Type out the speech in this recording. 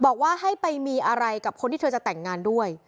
บอกว่าให้ไปมีอะไรกับคนที่เธอจะแต่งงานด้วย